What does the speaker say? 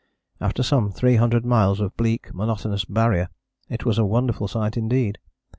After some 300 miles of bleak, monotonous Barrier it was a wonderful sight indeed.